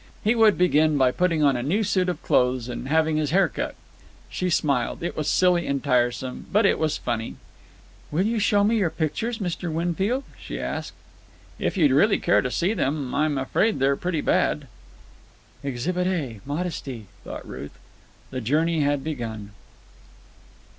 He would begin by putting on a new suit of clothes and having his hair cut. She smiled. It was silly and tiresome, but it was funny. "Will you show me your pictures, Mr. Winfield?" she asked. "If you'd really care to see them. I'm afraid they're pretty bad." "Exhibit A. Modesty," thought Ruth. The journey had begun.